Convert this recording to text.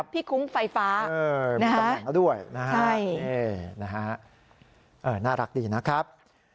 พี่คุ้งไฟฟ้าเออมีสำหรับนั้นด้วยนะฮะนี่นะฮะเออน่ารักดีนะครับ